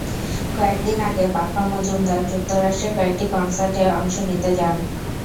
কয়েক দিন আগে বাপ্পা মজুমদার যুক্তরাষ্ট্রে কয়েকটি কনসার্টে অংশ নিতে যান।